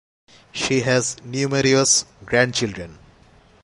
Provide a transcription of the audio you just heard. She has numerous grandchildren.